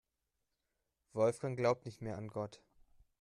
Wolfgang glaubt nicht mehr an Gott.